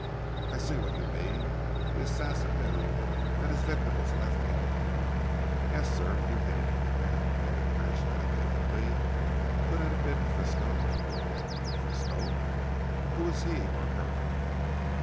"I see what you mean. The assassin knew that his victim was left handed." "Right sir. You've hit it. Now," added Bridge meditatively, "could it have been Frisco?" "Frisco. Who is he or her?"